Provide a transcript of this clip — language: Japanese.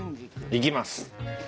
行きます？